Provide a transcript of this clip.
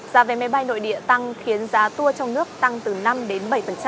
giá vé máy bay nội địa tăng khiến giá tour trong nước tăng từ năm đến bảy